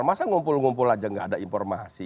masa ngumpul ngumpul aja nggak ada informasi